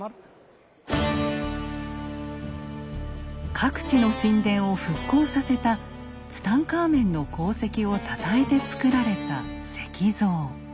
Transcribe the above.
各地の神殿を復興させたツタンカーメンの功績をたたえてつくられた石像。